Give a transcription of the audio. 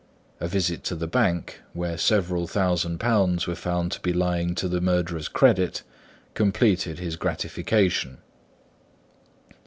A visit to the bank, where several thousand pounds were found to be lying to the murderer's credit, completed his gratification.